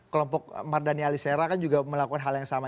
kelompok mardhani alisera kan juga melakukan hal yang sama